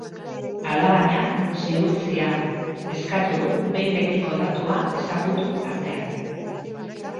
Alabaina, zuhurtzia eskatu du, behin betiko datua ezagutu artean.